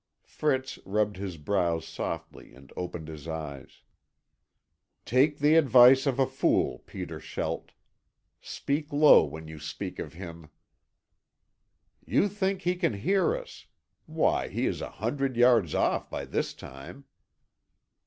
Fritz rubbed his brows softly and opened his eyes. "Take the advice of a fool, Peter Schelt. Speak low when you speak of him." "You think he can hear us. Why, he is a hundred yards off by this time!"